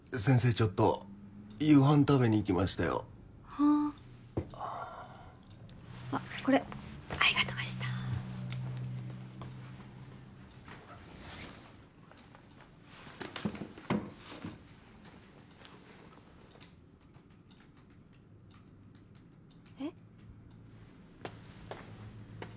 ちょっと夕飯食べに行きましたよはああっこれあいがとがしたえっ？